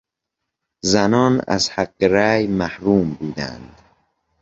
زنان از حق رای محروم بودند.